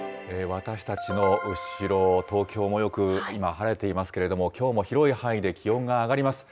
私たちの後ろ、東京もよく今晴れていますけれども、きょうも広い範囲で気温が上がります。